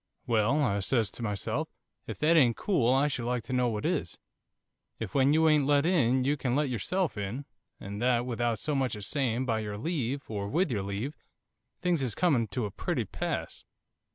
'"Well," I says to myself, "if that ain't cool I should like to know what is. If, when you ain't let in, you can let yourself in, and that without so much as saying by your leave, or with your leave, things is coming to a pretty pass.